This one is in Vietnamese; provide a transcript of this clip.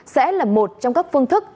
sẽ là một trong các phương thức